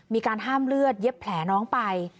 มีการห้ามเลือดเย็บแผลน้องไป